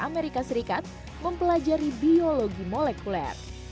mempelajari biologi molekuler